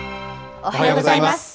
おはようございます。